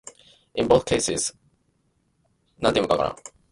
In both cases, lovesickness can be experienced if love is lost or unrequited.